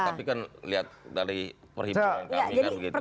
tapi kan lihat dari perhimpunan kami kan begitu